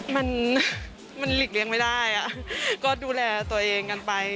มันมันหลีกเลี่ยงไม่ได้ก็ดูแลตัวเองกันไป